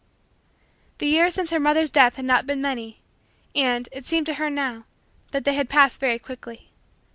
The years since her mother's death had not been many, and, it seemed to her, now, that they had passed very quickly.